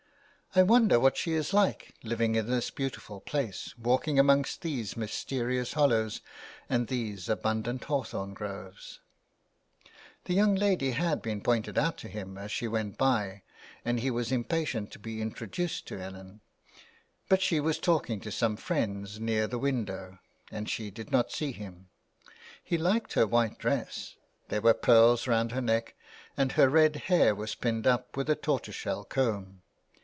*' I wonder what she is like, living in this beautiful place, walking among these mysterious hollows and these abundant hawthorn groves ?'' The young lady had been pointed out to 1.* n as she went by, and he was impatient to be introduced to Ellen, but she was talking to some friends near the 307 THE WILD GOOSE. window, and she did not see him. He Hked her white dress, there were pearls round her neck, and her red hair was pinned up with a tortoiseshell comb.